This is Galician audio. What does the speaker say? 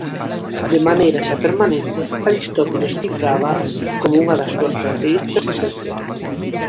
De maneira xa permanente, Aristóteles cifrábaa como unha das súas características esenciais.